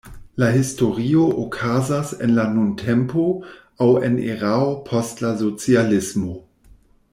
La historio okazas en la nuntempo, aŭ en erao post la socialismo.